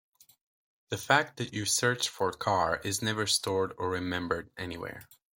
The fact that you searched for “car” is never stored or remembered anywhere.